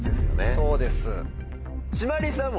そうです。